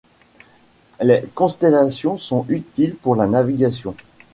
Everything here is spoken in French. Les constellations sont utiles pour la navigation.